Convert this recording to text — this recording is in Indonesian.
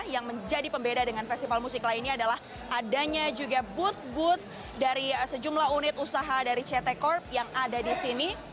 yang menjadi pembeda dengan festival musik lainnya adalah adanya juga booth booth dari sejumlah unit usaha dari ct corp yang ada di sini